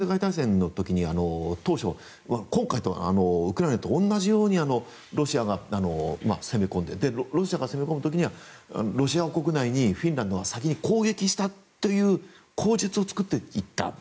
大体、フィンランドと旧ソ連は第２次世界大戦の時に当初今回のウクライナと同じようにロシアが攻め込んでロシアが攻め込む時にはロシア国内にフィンランドが先に攻撃したという口実を作っていった。